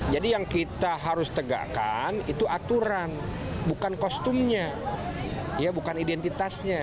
jadi yang kita harus tegakkan itu aturan bukan kostumnya bukan identitasnya